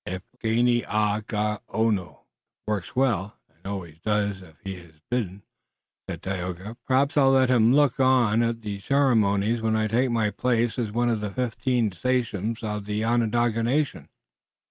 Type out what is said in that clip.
"If Dagaeoga works well, and always does as he is bidden," said Tayoga, "perhaps I'll let him look on at the ceremonies when I take my place as one of the fifteen sachems of the Onondaga nation."